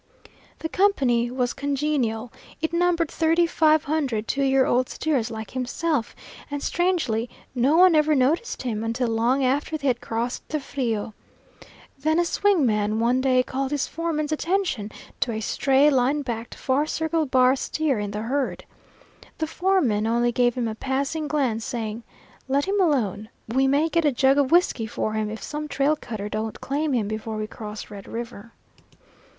The company was congenial; it numbered thirty five hundred two year old steers like himself, and strangely no one ever noticed him until long after they had crossed the Frio. Then a swing man one day called his foreman's attention to a stray, line backed, bar circle bar steer in the herd. The foreman only gave him a passing glance, saying, "Let him alone; we may get a jug of whiskey for him if some trail cutter don't claim him before we cross Red River."